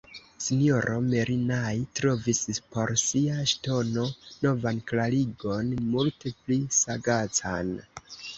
S-ro Merinai trovis por sia ŝtono novan klarigon, multe pli sagacan.